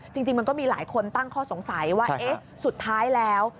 จริงมันก็มีหลายคนตั้งข้อสงสัยว่าเอ๊ะสุดท้ายแล้ว